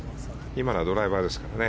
今のはドライバーですからね。